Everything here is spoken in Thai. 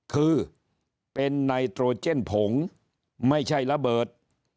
คือเป็นไนโตรเจนผงไม่ใช่ระเบิด